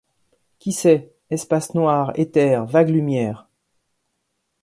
Qui sait, espaces noirs, éthers, vagues lumières